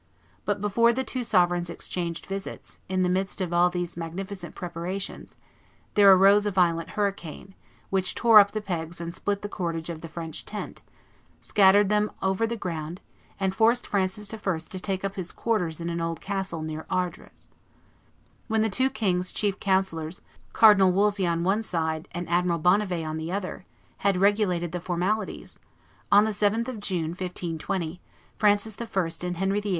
But before the two sovereigns exchanged visits, in the midst of all these magnificent preparations, there arose a violent hurricane, which tore up the pegs and split the cordage of the French tent, scattered them over the ground, and forced Francis I. to take up his quarters in an old castle near Ardres. When the two kings' two chief councillors, Cardinal Wolsey on one side and Admiral Bonnivet on the other, had regulated the formalities, on the 7th of June, 1520, Francis I. and Henry VIII.